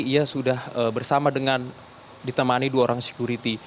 ia sudah bersama dengan ditemani dua orang security